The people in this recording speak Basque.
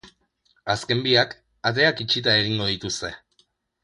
Azken biak ateak itxita egingo dituzte.